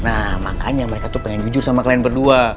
nah makanya mereka tuh pengen jujur sama kalian berdua